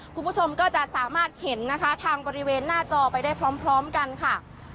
คุณผู้ชมก็จะสามารถเห็นนะคะทางบริเวณหน้าจอไปได้พร้อมกันค่ะ